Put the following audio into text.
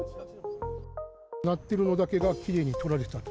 なってるのだけがきれいにとられたと。